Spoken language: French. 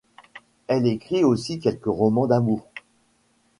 Elle écrit aussi quelques romans d'amour.